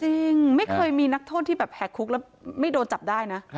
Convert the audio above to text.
จริงไม่เคยมีนักโทษที่แบบแหกคุกแล้วไม่โดนจับได้นะ